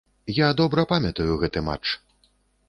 Я добра памятаю гэты матч.